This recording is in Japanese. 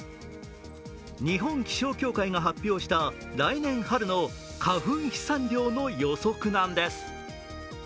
日本気象協会が発表した来年春の花粉飛散量の予測なんです。